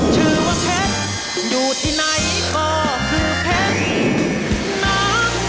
ชื่อว่าเพชรอยู่ที่ไหนก็คือเพชร